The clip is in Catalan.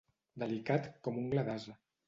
Delicat com ungla d'ase.